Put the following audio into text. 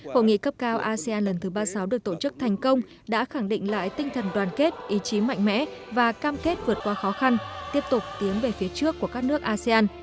hội nghị cấp cao asean lần thứ ba mươi sáu được tổ chức thành công đã khẳng định lại tinh thần đoàn kết ý chí mạnh mẽ và cam kết vượt qua khó khăn tiếp tục tiến về phía trước của các nước asean